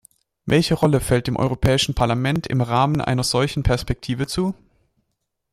Welche Rolle fällt dem Europäischen Parlament im Rahmen einer solchen Perspektive zu?